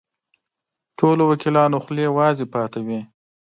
ټولو وکیلانو خولې وازې پاتې وې.